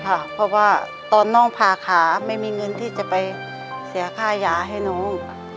เพราะว่าตอนน้องผ่าขาไม่มีเงินที่จะไปเสียค่ายาให้น้อง